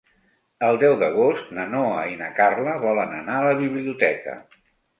El deu d'agost na Noa i na Carla volen anar a la biblioteca.